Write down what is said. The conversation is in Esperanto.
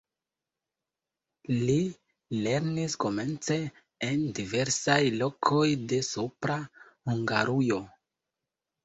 Li lernis komence en diversaj lokoj de Supra Hungarujo.